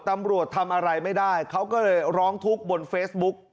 ตำรวจทำอะไรไม่ได้เขาก็เลยร้องทุกข์บนเฟซบุ๊ก